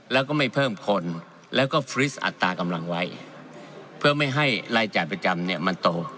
แล้วก็ไม่เพิ่มคนแล้วก็ฟรีสอัตรากำลังไว้เพื่อไม่ให้รายจ่ายประจำเนี่ยมันโต